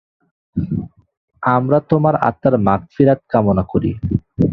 আমরা তোমার আত্মার মাগফিরাত কামনা করি।